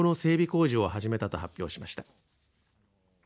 工事を始めたと発表しました。